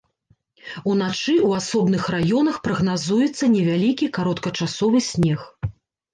Уначы ў асобных раёнах прагназуецца невялікі кароткачасовы снег.